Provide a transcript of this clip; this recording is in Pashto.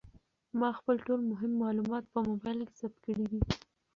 ما خپل ټول مهم معلومات په موبایل کې ثبت کړي دي.